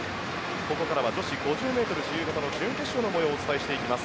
ここからは女子５０ｍ自由形の準決勝の模様をお伝えしていきます。